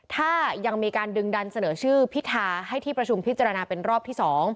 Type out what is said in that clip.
ถ้ายังมีการดึงดันเสนอชื่อพิธาให้ที่ประชุมพิจารณาเป็นรอบที่๒